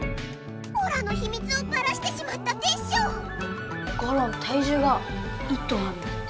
オラのひみつをバラしてしまったテッショウゴロン体重が１トンあるんだって。